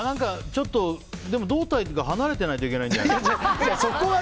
ちょっと胴体が離れてないといけないんじゃない？